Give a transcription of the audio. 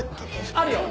あるよ！